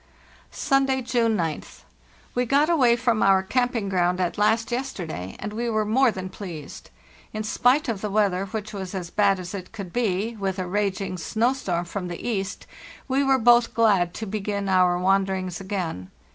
"Sunday, June 9th. We got away from our campine ground at last yesterday, and we were more than pleased. In spite of the weather, which was as bad as it could be, with a raging snow storm from the east, we were both glad to begin our wanderings again.